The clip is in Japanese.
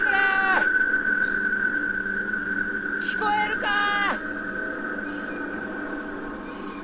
聞こえるかー！？